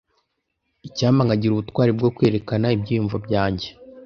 Icyampa nkagira ubutwari bwo kwerekana ibyiyumvo byanjye.